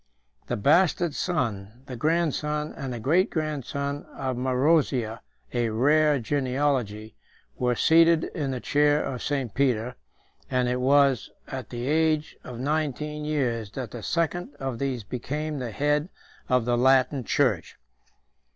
132 The bastard son, the grandson, and the great grandson of Marozia, a rare genealogy, were seated in the chair of St. Peter, and it was at the age of nineteen years that the second of these became the head of the Latin church.